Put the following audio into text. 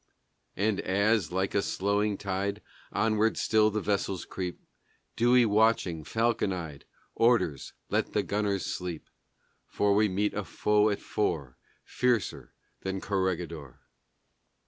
And as, like a slowing tide, Onward still the vessels creep, Dewey, watching, falcon eyed, Orders, "Let the gunners sleep; For we meet a foe at four Fiercer than Corregidor."